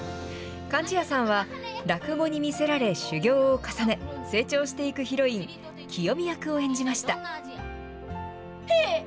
貫地谷さんは、落語に魅せられ、修業を重ね、成長していくヒロイン、へえ。